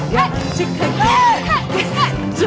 อย่างที่ใครคิดอยากได้ยินเธอ